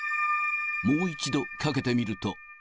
もう一度、かけてみると。